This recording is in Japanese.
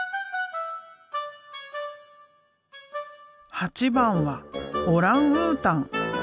８番はオランウータン。